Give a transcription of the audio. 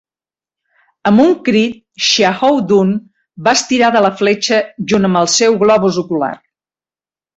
Amb un crit, Xiahou Dun va estirar de la fletxa junt amb al seu globus ocular.